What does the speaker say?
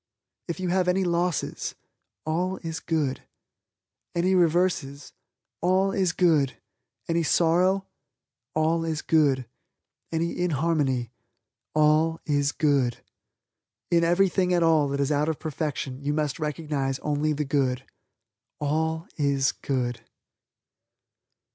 If you have any losses, All is Good, any reverses, All is Good, any sorrow, All is Good, any inharmony, All is Good. In everything at all that is out of perfection you must recognize only the good. ALL IS GOOD.